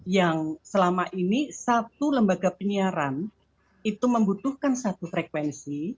yang selama ini satu lembaga penyiaran itu membutuhkan satu frekuensi